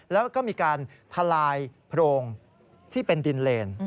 แล้วก็มีการทลายโพรงที่เป็นดินเลน